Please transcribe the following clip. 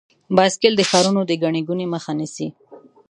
بایسکل د ښارونو د ګڼې ګوڼې مخه نیسي.